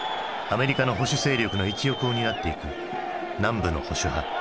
アメリカの保守勢力の一翼を担っていく南部の保守派。